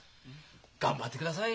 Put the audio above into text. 頑張ってください。